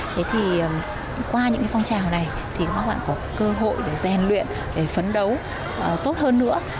thế thì qua những cái phong trào này thì các bạn có cơ hội để rèn luyện để phấn đấu tốt hơn nữa